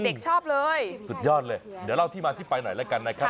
เด็กชอบเลยสุดยอดเลยเดี๋ยวเล่าที่มาที่ไปหน่อยแล้วกันนะครับ